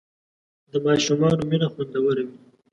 د ماشومانو مینه خوندور وي.